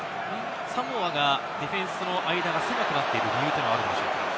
サモアのディフェンスの間が狭くなっている理由はあるんでしょうか？